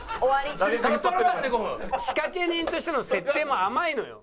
仕掛け人としての設定も甘いのよ。